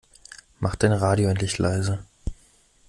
Mach dein Radio endlich leiser!